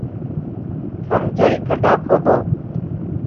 تھم جائی کھڈؔا کھودؔو